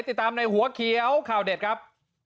ติดตามในหัวเขียวข่าวเด็ดครับ